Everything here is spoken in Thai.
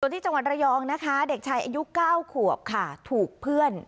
ส่วนจังหวัดเรยองเด็กชายอายุ๙ขวบค่ะถูกเพื่อน